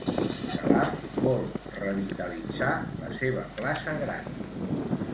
Calaf vol revitalitzar la seva plaça Gran.